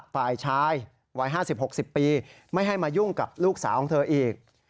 ฝ่ายชายวัย๕๐๖๐ปีไม่ให้มายุ่งกับลูกสาวของเธออีก